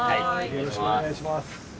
よろしくお願いします。